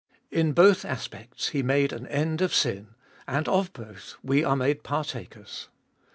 In both aspects He made an end of sin, and of both we are made par takers.